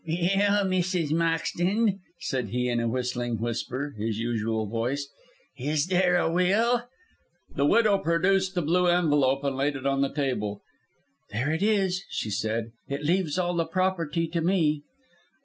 "Well, Mrs. Moxton," said he in a whistling whisper, his usual voice, "is there a will?" The widow produced the blue envelope and laid it on the table. "There it is," she said, "it leaves all the property to me."